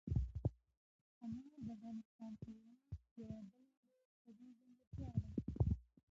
انار د افغانستان هېواد یوه بله لویه طبیعي ځانګړتیا ده.